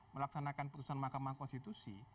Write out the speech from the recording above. melaksanakan putusan mahkamah konstitusi